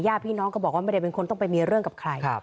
พี่น้องก็บอกว่าไม่ได้เป็นคนต้องไปมีเรื่องกับใคร